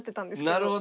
なるほど。